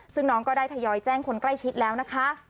ซึ่งน้องก็ได้ทยอยแจ้งคนใกล้ชิดแล้วนะคะ